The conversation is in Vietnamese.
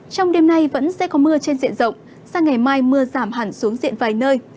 trong đêm nay vẫn sẽ có mưa trên diện rộng sang ngày mai mưa giảm hẳn xuống diện vài nơi